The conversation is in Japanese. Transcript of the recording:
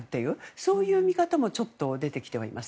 そういう見方も出てきてはいます。